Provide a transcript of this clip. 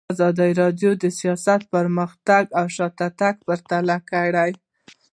ازادي راډیو د سیاست پرمختګ او شاتګ پرتله کړی.